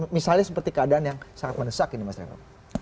misalnya seperti keadaan yang sangat mendesak ini mas revo